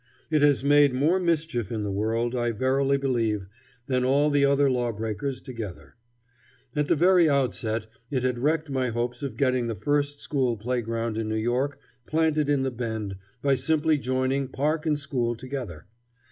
It has made more mischief in the world, I verily believe, than all the other lawbreakers together. At the very outset it had wrecked my hopes of getting the first school playground in New York planted in the Bend by simply joining park and school together.